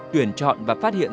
tuyển chọn và phát hiện